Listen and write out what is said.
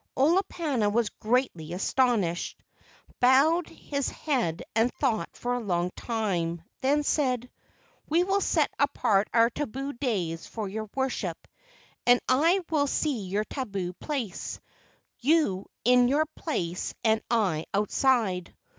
Olopana was greatly astonished, bowed his head and thought for a long time, then said: "We will set apart our tabu days for worship, and I will see your tabu place—you in your place and I outside.